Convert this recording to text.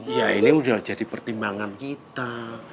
iya ini udah jadi pertimbangan kita